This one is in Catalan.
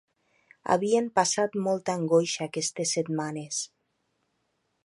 Havien passat molta angoixa aquestes setmanes.